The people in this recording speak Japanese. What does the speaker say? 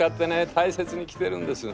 大切に着てるんです。